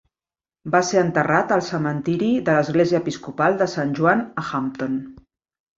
Va ser enterrat al cementiri de l'Església Episcopal de Sant Joan a Hampton.